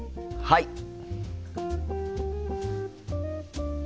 はい！